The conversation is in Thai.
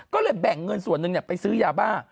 ก็เลยแบ่งเงินส่วนหนึ่งไปซื้อยาบ้า